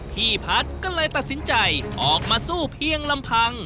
พี่พัฒน์ก็เลยตัดสินใจออกมาสู้เพียงลำพัง